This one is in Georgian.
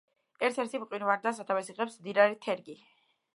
ერთ-ერთი მყინვარიდან სათავეს იღებს მდინარე თერგი.